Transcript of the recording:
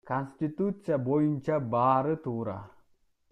Конституция боюнча баары туура.